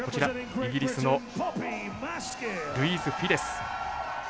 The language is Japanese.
イギリスのルイーズ・フィデス。